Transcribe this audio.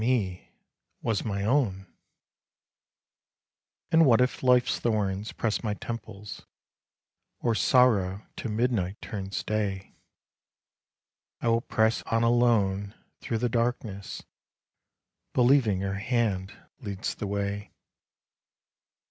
me, was my own. And what if Life's thorns pressed my temples Or sorrow to midnight turns day, I will press on alone through the darkness, Believing her hand leads the way.